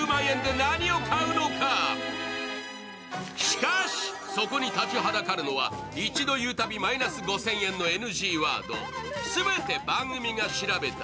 しかし、そこに立ちはだかるのは１度言うたびにマイナス５０００円のＮＧワード。